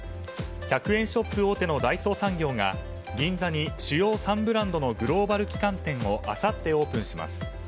１００円ショップ大手の大創産業が銀座に主要３ブランドのグローバル旗艦店をあさって、オープンします。